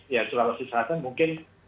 ya sulawesi selatan mungkin